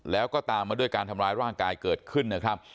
แล้วก็ตามมาด้วยการทำร้ายร่างกายเกิดขึ้นนะครับ